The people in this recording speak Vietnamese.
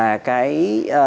đó là một lý do